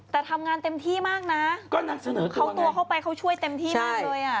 แต่ทำงานเต็มที่มากนะก็นำเสนอเขาตัวเข้าไปเขาช่วยเต็มที่มากเลยอ่ะ